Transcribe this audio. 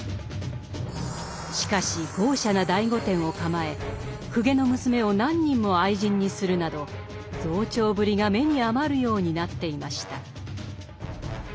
しかし豪奢な大御殿を構え公家の娘を何人も愛人にするなど増長ぶりが目に余るようになっていました。